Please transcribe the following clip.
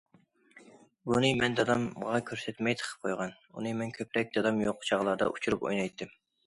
بۇنى مەن دادامغا كۆرسەتمەي تىقىپ قويغان، ئۇنى مەن كۆپرەك دادام يوق چاغلاردا ئۇچۇرۇپ ئوينايتتىم.